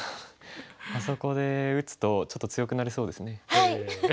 あそこで打つとちょっと強くなれそうですね。